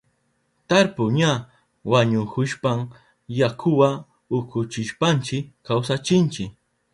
Tarpu ña wañuhushpan yakuwa ukuchishpanchi kawsachinchi.